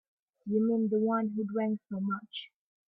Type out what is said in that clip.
You mean the one who drank so much?